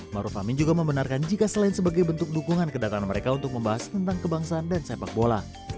maruf amin juga membenarkan jika selain sebagai bentuk dukungan kedatangan mereka untuk membahas tentang kebangsaan dan sepak bola